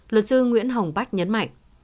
luật sư nguyễn hồng bách nhấn mạnh